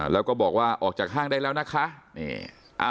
แล้วก็บอกว่าออกจากห้างได้แล้วนะคะ